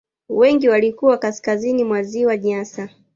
Wengi walikuwa kaskazini mwa ziwa Nyasa